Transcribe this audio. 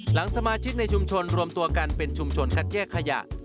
หลังสมาชิกในชุมชนรวมตัวกันเป็นชุมชนคัดแยกขยะ